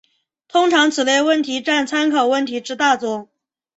通常此类问题占参考问题之大宗。